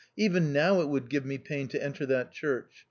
even now it would give me pain to enter that church.